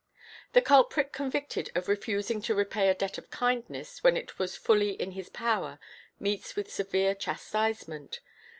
The culprit convicted of refusing to repay a debt of kindness when it was fully in his power meets with severe chastisement.